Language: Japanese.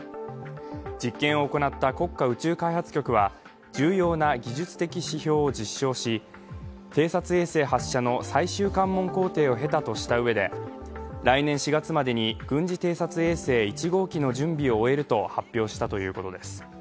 実験を行った国家宇宙開発局は重要な技術的指標を実証し、偵察衛星発射の最終関門工程を経たとしたうえで来年４月までに軍事偵察衛星１号機の準備を終えると発表したということです。